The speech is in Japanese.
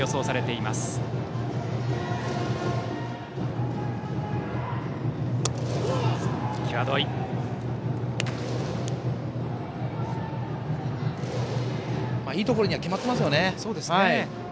いいところには決まってますよね。